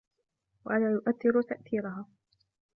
وَلَا يُؤَثِّرُ تَأْثِيرَهَا